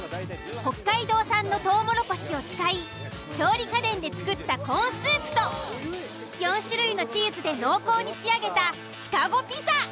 北海道産のトウモロコシを使い調理家電で作ったコーンスープと４種類のチーズで濃厚に仕上げたシカゴピザ。